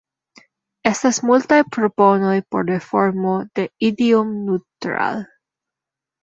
Estas multaj proponoj por reformo de Idiom-Neutral.